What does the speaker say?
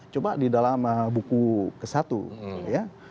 coba di dalam buku ke satu ya